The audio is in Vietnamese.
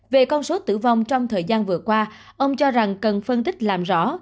về con số tử vong trong thời gian vừa qua ông cho rằng cần phân tích làm rõ